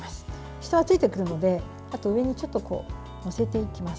下はついているのであと上にちょっと載せていきます。